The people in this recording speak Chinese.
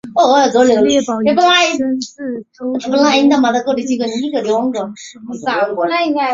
此列表延伸自欧洲友好城市列表。